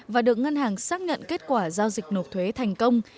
và được ngân hàng xác nhận kết quả giao dịch nộp thuế thành công